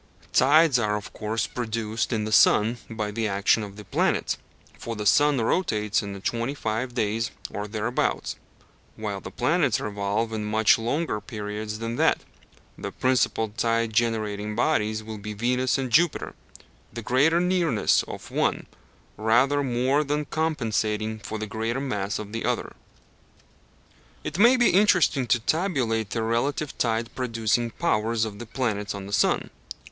Tides are of course produced in the sun by the action of the planets, for the sun rotates in twenty five days or thereabouts, while the planets revolve in much longer periods than that. The principal tide generating bodies will be Venus and Jupiter; the greater nearness of one rather more than compensating for the greater mass of the other. It may be interesting to tabulate the relative tide producing powers of the planets on the sun.